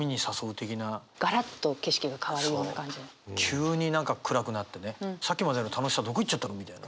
急に何か暗くなってねさっきまでの楽しさどこ行っちゃったのみたいな。